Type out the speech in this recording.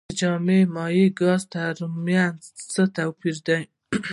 د جامد مایع او ګاز ترمنځ څه توپیر دی.